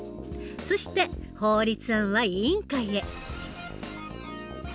そして法律案は委員会へ。